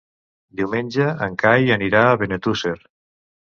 Diumenge en Cai anirà a Benetússer.